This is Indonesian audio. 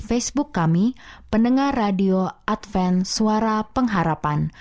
facebook kami pendengar radio adven suara pengharapan